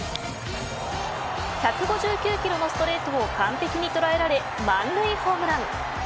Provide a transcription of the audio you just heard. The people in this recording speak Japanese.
１５９キロのストレートを完璧に捉えられ満塁ホームラン。